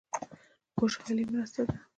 خوشالي مرسته ده.